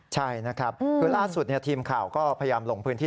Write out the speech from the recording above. ใช่นะครับคือล่าสุดทีมข่าวก็พยายามลงพื้นที่